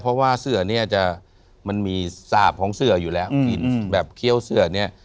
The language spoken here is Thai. เพราะว่าเสือเนี่ยจะมันมีสาปของเสืออยู่แล้วกลิ่นแบบเคี้ยวเสือเนี่ย